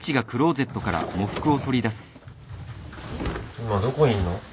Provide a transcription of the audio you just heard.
今どこいんの？